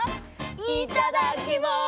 いただきます！